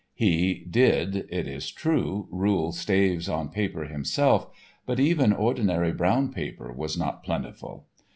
He did, it is true, rule staves on paper himself but even ordinary brown paper was not plentiful.